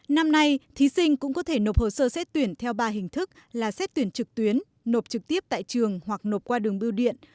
năm nay thí sinh cũng có thể nộp hồ sơ xét tuyển theo ba hình thức là xét tuyển trực tuyến nộp trực tiếp tại trường hoặc nộp qua đường biêu điện